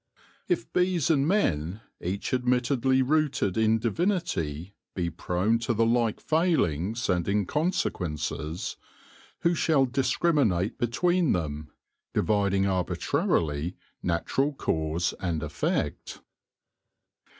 If bees and men, each admittedly rooted in divinity, be prone to the like failings and incon sequences, who shall discriminate between them, dividing arbitrarily natural cause and effect